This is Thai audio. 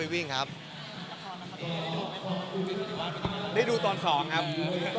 มีอีกประมาณ๑๐ปี